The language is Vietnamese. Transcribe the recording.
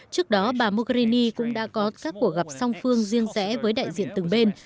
trước đó bà mogherini cũng đã có các cuộc gặp song phương riêng rẽ với đại diện từng bên